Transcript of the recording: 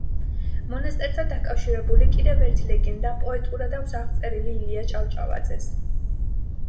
მონასტერთან დაკავშირებული კიდევ ერთი ლეგენდა პოეტურად აქვს აღწერილი ილია ჭავჭავაძეს.